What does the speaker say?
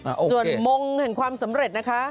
ส่วนมงค์แห่งความสำเร็จนะคะ